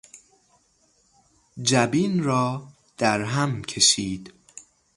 جبین را در هم کشید.